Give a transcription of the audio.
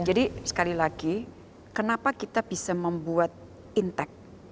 jadi sekali lagi kenapa kita bisa membuat intek